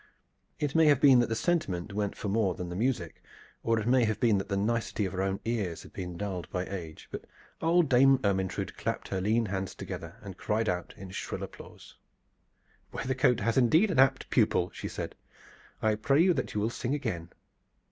It may have been that the sentiment went for more than the music, or it may have been the nicety of her own ears had been dulled by age, but old Dame Ermyntrude clapped her lean hands together and cried out in shrill applause. "Weathercote has indeed had an apt pupil!" she said. "I pray you that you will sing again."